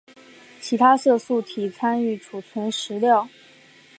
其他色素体参与储存食料。